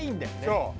そう。